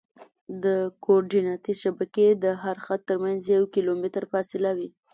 د کورډیناتي شبکې د هر خط ترمنځ یو کیلومتر فاصله وي